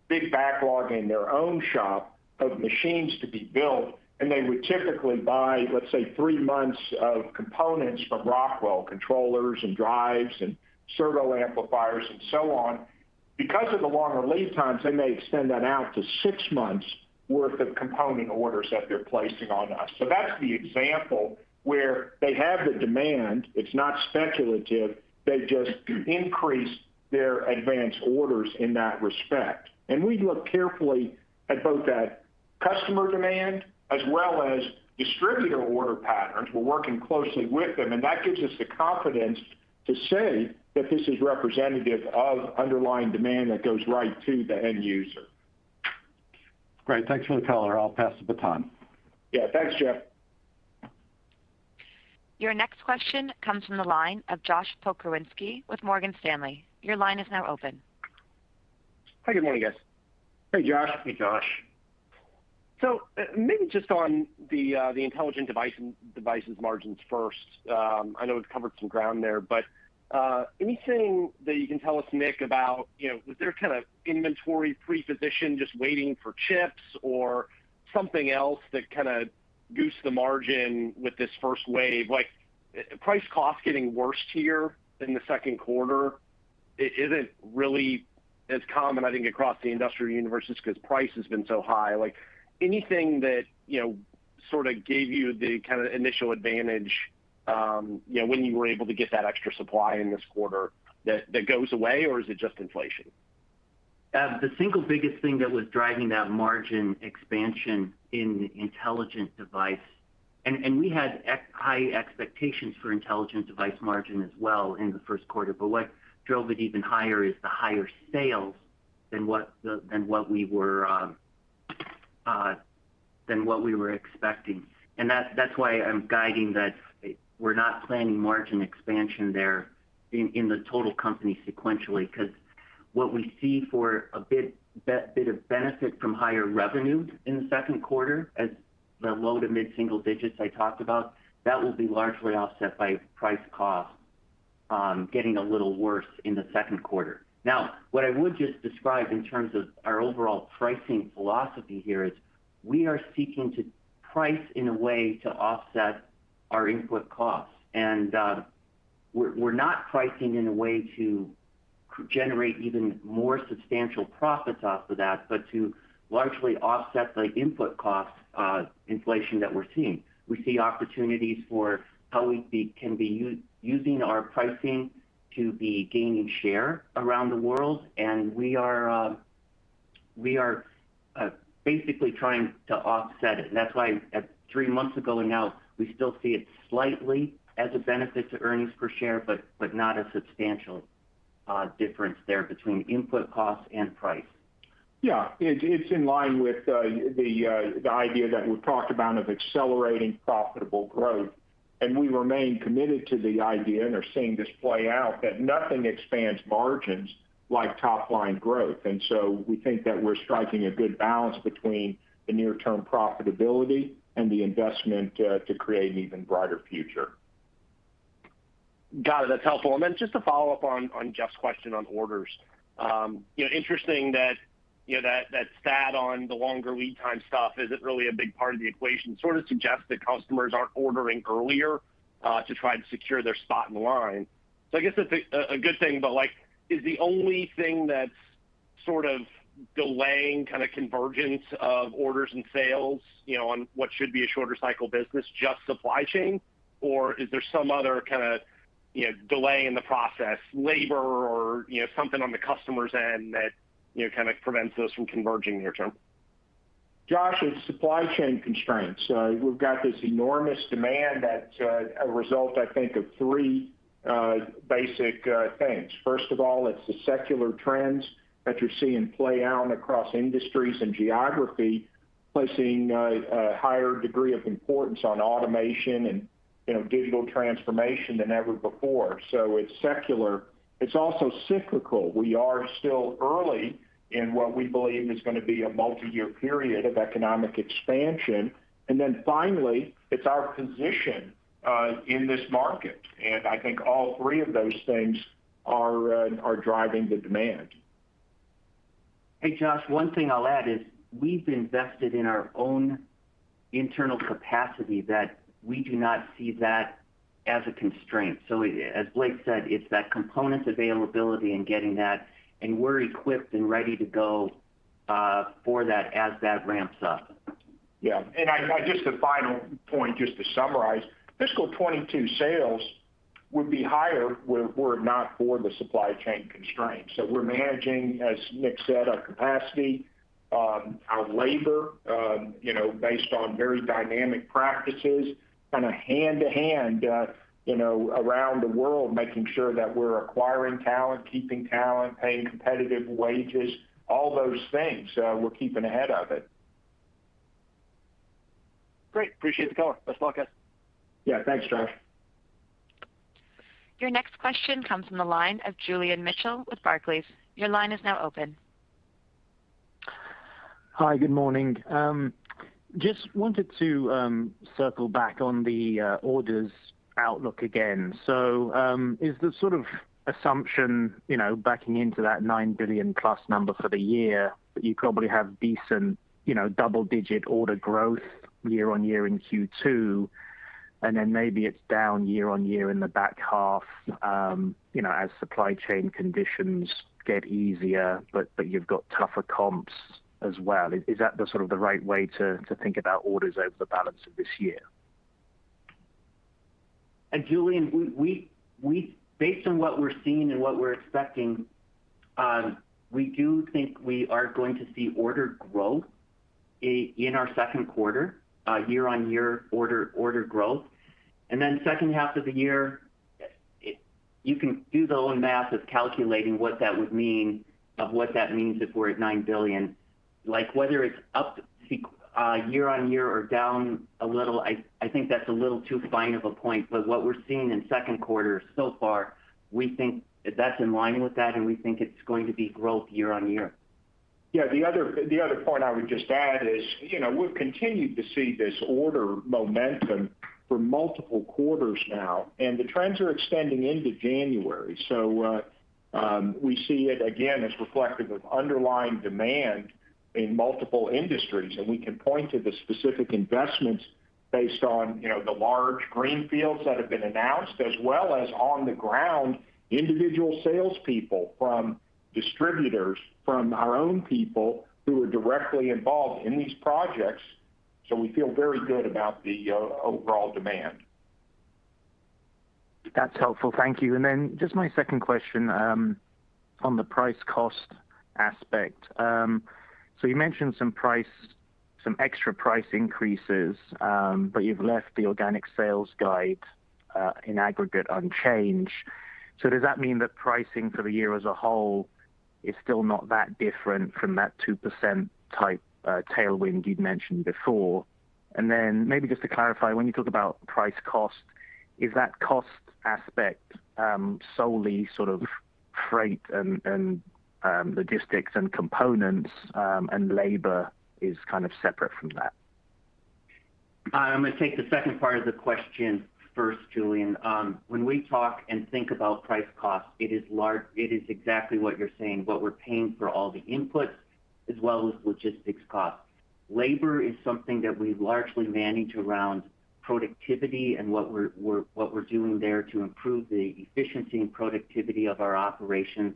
big backlog in their own shop of machines to be built, and they would typically buy, let's say, three months of components from Rockwell, controllers and drives and servo amplifiers and so on. Because of the longer lead times, they may extend that out to six months worth of component orders that they're placing on us. That's the example where they have the demand. It's not speculative. They just increase their advanced orders in that respect. We look carefully at both that customer demand as well as distributor order patterns. We're working closely with them, and that gives us the confidence to say that this is representative of underlying demand that goes right to the end user. Great. Thanks for the color. I'll pass the baton. Yeah. Thanks, Jeff. Your next question comes from the line of Josh Pokrzywinski with Morgan Stanley. Your line is now open. Hi, good morning, guys. Hey, Josh. Hey, Josh. Maybe just on the Intelligent Devices margins first. I know we've covered some ground there, but anything that you can tell us, Nick, about, you know, was there kind of inventory pre-positioned just waiting for chips or something else that kind of goosed the margin with this first wave? Like, price cost getting worse here in the second quarter isn't really as common, I think, across the industrial universe just 'cause price has been so high. Like, anything that, you know, sort of gave you the kind of initial advantage, you know, when you were able to get that extra supply in this quarter that goes away, or is it just inflation? The single biggest thing that was driving that margin expansion in Intelligent Devices. We had high expectations for Intelligent Devices margin as well in the first quarter, but what drove it even higher is the higher sales than what we were expecting. That's why I'm guiding that we're not planning margin expansion there in the total company sequentially. 'Cause what we see for a bit of benefit from higher revenue in the second quarter as the low- to mid-single digits I talked about, that will be largely offset by price cost getting a little worse in the second quarter. Now, what I would just describe in terms of our overall pricing philosophy here is we are seeking to price in a way to offset our input costs. We're not pricing in a way that could generate even more substantial profits off of that, but to largely offset the input cost inflation that we're seeing. We see opportunities for how we can be using our pricing to gain share around the world. We are basically trying to offset it. That's why three months ago and now we still see it slightly as a benefit to earnings per share, but not a substantial difference there between input costs and price. Yeah. It's in line with the idea that we've talked about of accelerating profitable growth, and we remain committed to the idea and are seeing this play out, that nothing expands margins like top line growth. We think that we're striking a good balance between the near term profitability and the investment to create an even brighter future. Got it. That's helpful. Just to follow up on Jeff's question on orders. You know, interesting that that stat on the longer lead time stuff isn't really a big part of the equation, sort of suggests that customers aren't ordering earlier to try to secure their spot in the line. I guess it's a good thing, but like, is the only thing that's sort of delaying kind of convergence of orders and sales, you know, on what should be a shorter cycle business, just supply chain? Or is there some other kind of, you know, delay in the process, labor or, you know, something on the customer's end that, you know, kind of prevents those from converging near term? Josh, it's supply chain constraints. We've got this enormous demand that's a result, I think, of three basic things. First of all, it's the secular trends that you're seeing play out across industries and geography, placing a higher degree of importance on automation and, you know, digital transformation than ever before. It's secular. It's also cyclical. We are still early in what we believe is gonna be a multi-year period of economic expansion. Then finally, it's our position in this market. I think all three of those things are driving the demand. Hey, Josh, one thing I'll add is we've invested in our own internal capacity that we do not see that as a constraint. As Blake said, it's that component availability and getting that, and we're equipped and ready to go for that as that ramps up. I just a final point just to summarize. Fiscal 2022 sales would be higher were it not for the supply chain constraints. We're managing, as Nick said, our capacity, our labor, you know, based on very dynamic practices. Kinda hand to hand, you know, around the world, making sure that we're acquiring talent, keeping talent, paying competitive wages, all those things, we're keeping ahead of it. Great. Appreciate the color. Best luck, guys. Yeah, thanks, Josh. Your next question comes from the line of Julian Mitchell with Barclays. Your line is now open. Hi. Good morning. Just wanted to circle back on the orders outlook again. Is the sort of assumption, you know, backing into that $9 billion+ number for the year, you probably have decent, you know, double-digit order growth YoY in Q2, and then maybe it's down YoY in the back half, you know, as supply chain conditions get easier, but you've got tougher comps as well. Is that the sort of right way to think about orders over the balance of this year? Julian, we based on what we're seeing and what we're expecting, we do think we are going to see order growth in our second quarter, YoY order growth. Then second half of the year, it. You can do your own math of calculating what that would mean of what that means if we're at $9 billion. Like, whether it's up, YoY or down a little, I think that's a little too fine of a point. But what we're seeing in second quarter so far, we think that's in line with that, and we think it's going to be growth YoY. Yeah. The other point I would just add is, you know, we've continued to see this order momentum for multiple quarters now, and the trends are extending into January. We see it again as reflective of underlying demand in multiple industries. We can point to the specific investments based on, you know, the large greenfields that have been announced, as well as on the ground, individual salespeople from distributors, from our own people who are directly involved in these projects. We feel very good about the overall demand. That's helpful. Thank you. Just my second question, on the price cost aspect. You mentioned some extra price increases, but you've left the organic sales guide, in aggregate unchanged. Does that mean that pricing for the year as a whole is still not that different from that 2% type tailwind you'd mentioned before? Maybe just to clarify, when you talk about price cost, is that cost aspect solely sort of freight and logistics and components, and labor is kind of separate from that? I'm gonna take the second part of the question first, Julian. When we talk and think about price cost, it is exactly what you're saying, what we're paying for all the inputs as well as logistics costs. Labor is something that we largely manage around productivity and what we're doing there to improve the efficiency and productivity of our operations,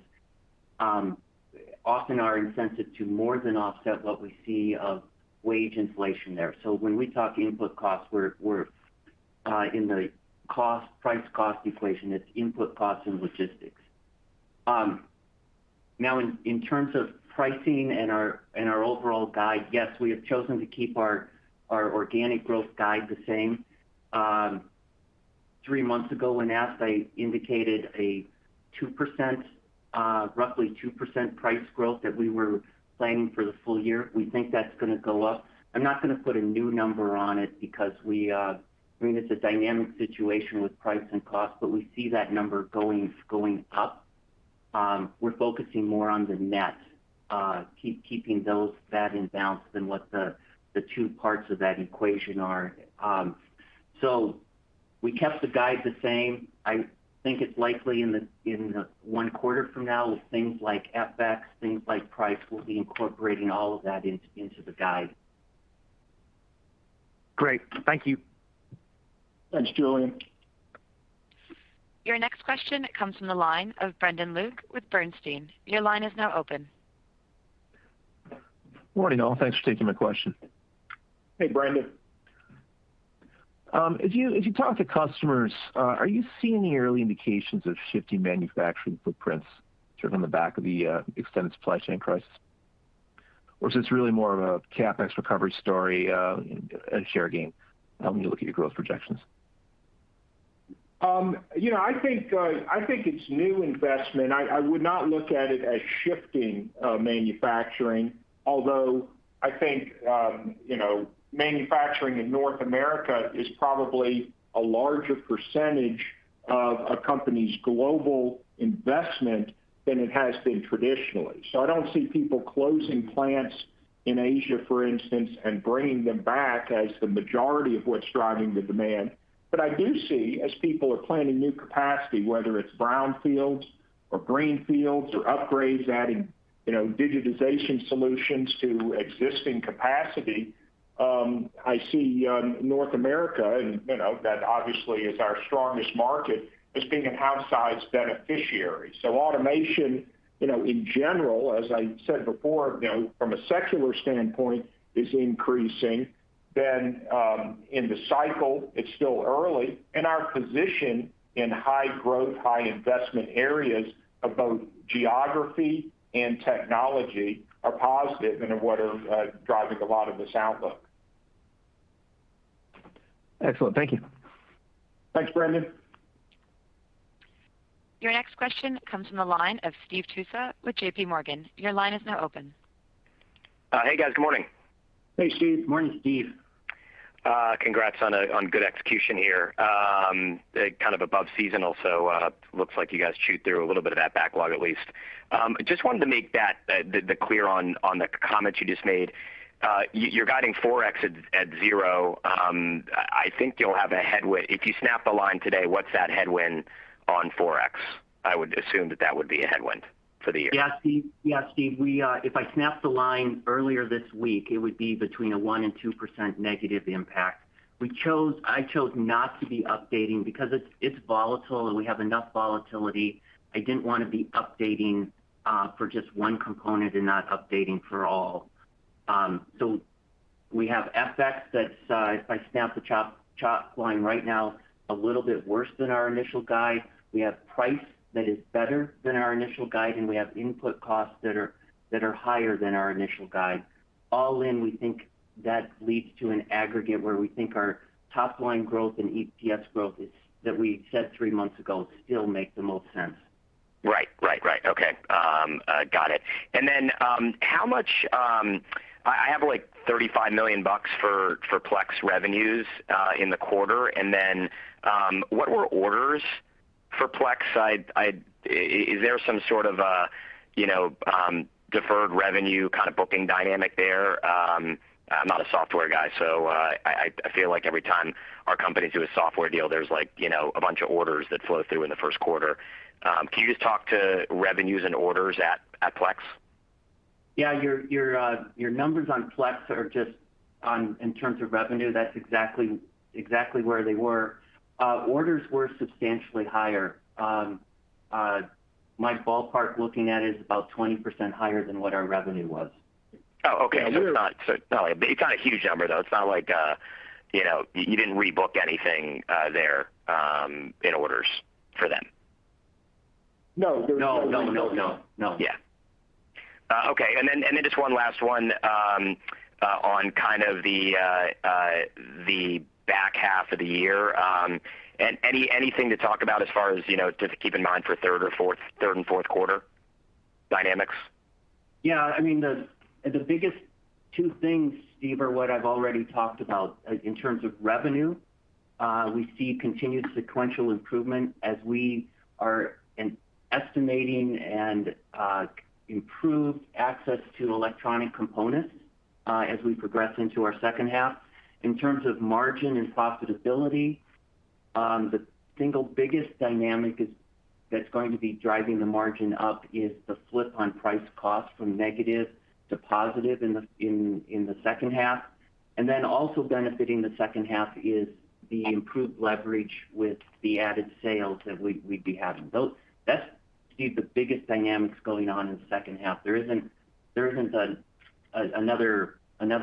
often our incentives more than offset what we see of wage inflation there. When we talk input costs, we're in the price cost equation, it's input costs and logistics. Now in terms of pricing and our overall guide, yes, we have chosen to keep our organic growth guide the same. Three months ago when asked, I indicated a 2%, roughly 2% price growth that we were planning for the full year. We think that's gonna go up. I'm not gonna put a new number on it because we—I mean, it's a dynamic situation with price and cost, but we see that number going up. We're focusing more on the net, keeping that in balance than what the two parts of that equation are. So we kept the guide the same. I think it's likely in the one quarter from now with things like FX, things like price, we'll be incorporating all of that into the guide. Great. Thank you. Thanks, Julian. Your next question comes from the line of Brendan Luecke with Bernstein. Your line is now open. Morning, all. Thanks for taking my question. Hey, Brendan. As you talk to customers, are you seeing any early indications of shifting manufacturing footprints sort of on the back of the extended supply chain crisis? Or is this really more of a CapEx recovery story, and share gain helping you look at your growth projections? I think it's new investment. I would not look at it as shifting manufacturing, although I think you know, manufacturing in North America is probably a larger percentage of a company's global investment than it has been traditionally. I don't see people closing plants in Asia, for instance, and bringing them back as the majority of what's driving the demand. I do see as people are planning new capacity, whether it's brownfields or greenfields or upgrades, adding you know, digitization solutions to existing capacity, I see North America and you know, that obviously is our strongest market as being an outsized beneficiary. Automation you know, in general, as I said before, you know, from a secular standpoint, is increasing. In the cycle, it's still early, and our position in high growth, high investment areas of both geography and technology are positive and are what are driving a lot of this outlook. Excellent. Thank you. Thanks, Brendan. Your next question comes from the line of Steve Tusa with J.P. Morgan. Your line is now open. Hey, guys. Good morning. Hey, Steve. Morning, Steve. Congrats on good execution here. Kind of above seasonal, so looks like you guys chewed through a little bit of that backlog at least. Just wanted to make that clear on the comment you just made. You're guiding FX at zero. I think you'll have a headwind. If you snap the line today, what's that headwind on FX? I would assume that would be a headwind for the year. Yeah, Steve. If I snap the line earlier this week, it would be between 1% and 2% negative impact. I chose not to be updating because it's volatile, and we have enough volatility. I didn't wanna be updating for just one component and not updating for all. We have FX that's if I snap the spot line right now, a little bit worse than our initial guide. We have price that is better than our initial guide, and we have input costs that are higher than our initial guide. All in, we think that leads to an aggregate where we think our top line growth and EPS growth that we said three months ago still make the most sense. Right. Okay. Got it. How much I have like $35 million for Plex revenues in the quarter, and then what were orders for Plex? I-- Is there some sort of a, you know, deferred revenue kind of booking dynamic there? I'm not a software guy, so, I feel like every time our companies do a software deal, there's like, you know, a bunch of orders that flow through in the first quarter. Can you just talk to revenues and orders at Plex? Yeah. Your numbers on Plex are just in terms of revenue, that's exactly where they were. Orders were substantially higher. My ballpark looking at is about 20% higher than what our revenue was. Oh, okay. So we're- You got a huge number, though. It's not like, you know. You didn't rebook anything there in orders for them? No. There was no rebooking. No. No. Okay. Just one last one on kind of the back half of the year. Anything to talk about as far as you know to keep in mind for third and fourth quarter dynamics? Yeah. I mean, the biggest two things, Steve, are what I've already talked about. In terms of revenue, we see continued sequential improvement as we are anticipating improved access to electronic components as we progress into our second half. In terms of margin and profitability, the single biggest dynamic that's going to be driving the margin up is the flip on price cost from negative to positive in the second half. Also benefiting the second half is the improved leverage with the added sales that we'd be having. That's the biggest dynamics going on in the second half. There isn't another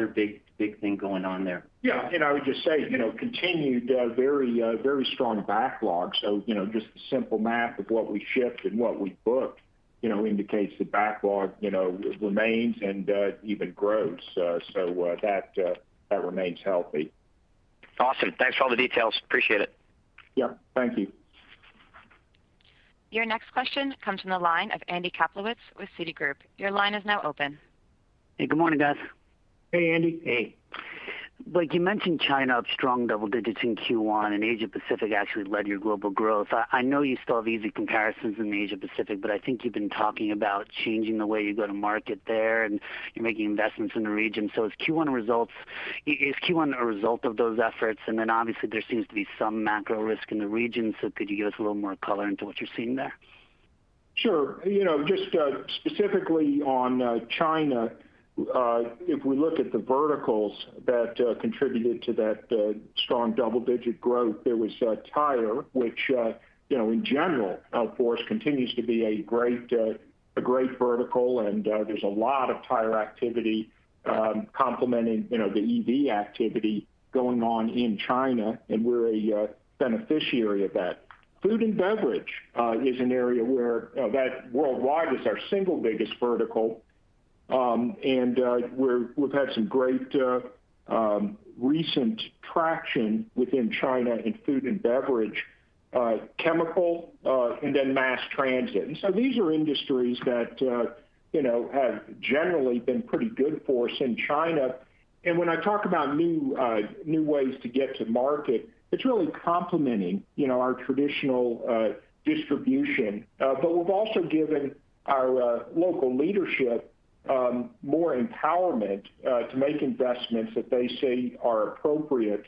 big thing going on there. Yeah. I would just say, you know, continued very strong backlog. You know, just the simple math of what we shipped and what we booked, you know, indicates the backlog, you know, remains and even grows. That remains healthy. Awesome. Thanks for all the details. Appreciate it. Yeah, thank you. Your next question comes from the line of Andy Kaplowitz with Citigroup. Your line is now open. Hey, good morning, guys. Hey, Andy. Hey. Blake, you mentioned China up strong double digits in Q1, and Asia Pacific actually led your global growth. I know you still have easy comparisons in the Asia Pacific, but I think you've been talking about changing the way you go to market there, and you're making investments in the region. Is Q1 a result of those efforts? Obviously there seems to be some macro risk in the region, so could you give us a little more color into what you're seeing there? Sure. You know, just specifically on China, if we look at the verticals that contributed to that strong double-digit growth, there was tire, which you know in general for us continues to be a great vertical, and there's a lot of tire activity complementing the EV activity going on in China, and we're a beneficiary of that. Food and beverage is an area that worldwide is our single biggest vertical. We've had some great recent traction within China in food and beverage, chemical, and then mass transit. These are industries that you know have generally been pretty good for us in China. When I talk about new ways to get to market, it's really complementing, you know, our traditional distribution. We've also given our local leadership more empowerment to make investments that they see are appropriate.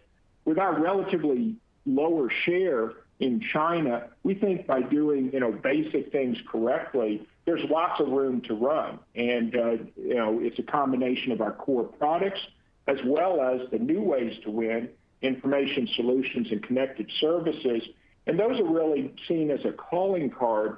With our relatively lower share in China, we think by doing, you know, basic things correctly, there's lots of room to run. You know, it's a combination of our core products as well as the new ways to win information solutions and connected services. Those are really seen as a calling card,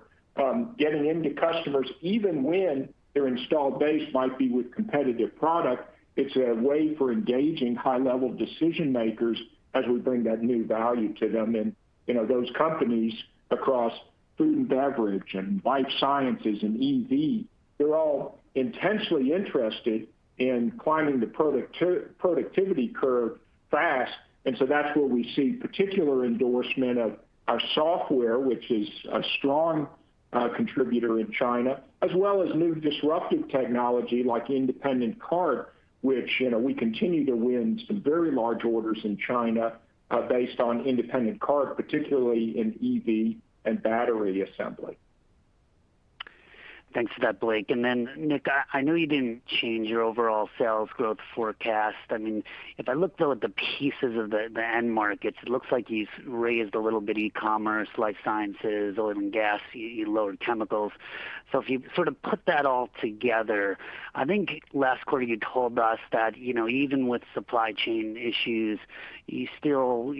getting into customers, even when their installed base might be with competitive product. It's a way for engaging high-level decision makers as we bring that new value to them. You know, those companies across food and beverage and life sciences and EV, they're all intensely interested in climbing the productivity curve fast. That's where we see particular endorsement of our software, which is a strong contributor in China, as well as new disruptive technology like Independent Cart, which, you know, we continue to win some very large orders in China based on Independent Cart, particularly in EV and battery assembly. Thanks for that, Blake. Then Nick, I know you didn't change your overall sales growth forecast. I mean, if I look, though, at the pieces of the end markets, it looks like you've raised a little bit e-commerce, life sciences, oil and gas. You lowered chemicals. If you sort of put that all together, I think last quarter you told us that, you know, even with supply chain issues, you still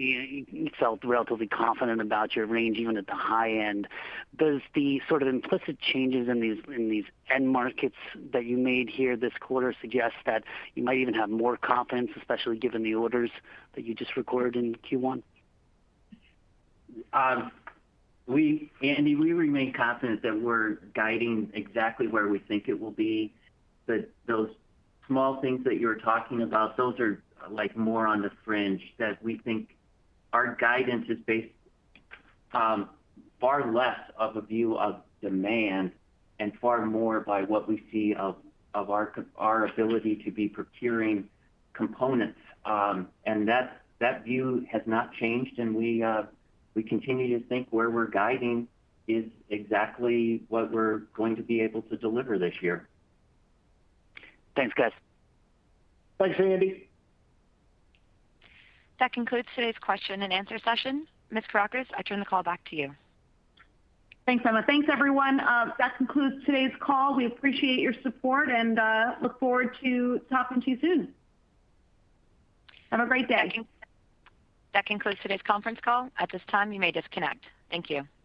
felt relatively confident about your range even at the high end. Does the sort of implicit changes in these end markets that you made here this quarter suggest that you might even have more confidence, especially given the orders that you just recorded in Q1? Andy, we remain confident that we're guiding exactly where we think it will be. Those small things that you're talking about, those are like more on the fringe that we think our guidance is based far less on a view of demand and far more on what we see of our ability to be procuring components. That view has not changed. We continue to think where we're guiding is exactly what we're going to be able to deliver this year. Thanks, guys. Thanks, Andy. That concludes today's question and answer session. Ms. Kourakos, I turn the call back to you. Thanks, Emma. Thanks, everyone. That concludes today's call. We appreciate your support and look forward to talking to you soon. Have a great day. Thank you. That concludes today's conference call. At this time, you may disconnect. Thank you.